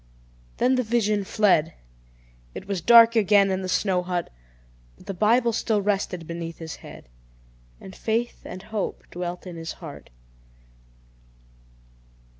Then the vision fled. It was dark again in the snow hut: but the Bible still rested beneath his head, and faith and hope dwelt in his heart.